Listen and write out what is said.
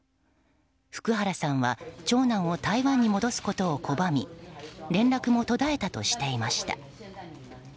福原さんは長男を台湾に戻すことを拒み連絡も途絶えたとしていました。